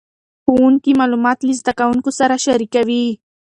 ښوونکي معلومات له زده کوونکو سره شریکوي.